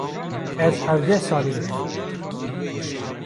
Ez hevdeh salî me.